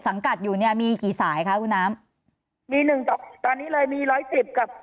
สังกัดอยู่เนี่ยมีกี่สายคะคุณน้ำมีหนึ่งตอนนี้เลยมีร้อยสิบกับ